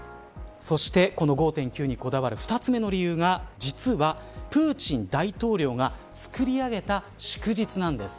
そしてこの５．９にこだわる２つ目の理由が実は、プーチン大統領が作り上げた祝日なんです。